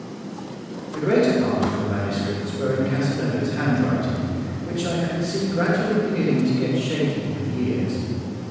The greater part of the manuscripts were in Casanova's handwriting, which I could see gradually beginning to get shaky with years.